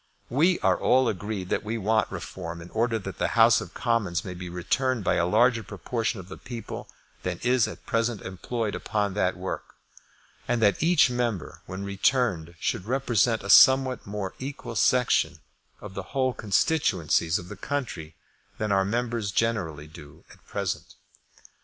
We are all agreed that we want Reform in order that the House of Commons may be returned by a larger proportion of the people than is at present employed upon that work, and that each member when returned should represent a somewhat more equal section of the whole constituencies of the country than our members generally do at present.